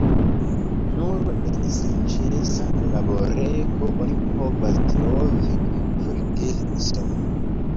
Nur en senĉesa laborego oni povas trovi forgeson.